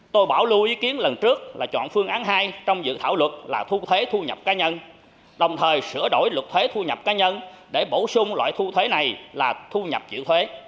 tôi bảo lưu ý kiến lần trước là chọn phương án hai trong dự thảo luật là thu thuế thu nhập cá nhân đồng thời sửa đổi luật thuế thu nhập cá nhân để bổ sung loại thu thuế này là thu nhập chịu thuế